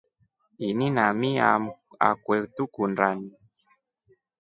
Ini na mii akwe tukundani.